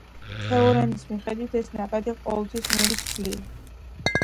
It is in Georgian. თეორემის მიხედვით ეს ნაკადი ყოველთვის ნულის ტოლია.